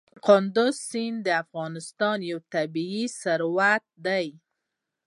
کندز سیند د افغانستان یو طبعي ثروت دی.